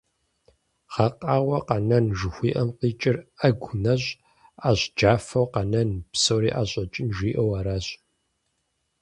«Гъэкъауэ къэнэн» жыхуиӏэм къикӏыр Ӏэгу нэщӀ ӀэщӀ джафэу къэнэн, псори ӀэщӀэкӀын жиӏэу аращ.